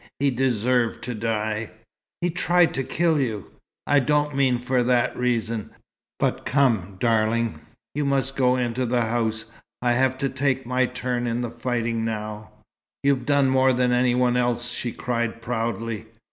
He deserved to die." "He tried to kill you!" "I don't mean for that reason. But come, darling. You must go into the house, I have to take my turn in the fighting now " "You've done more than any one else!" she cried, proudly.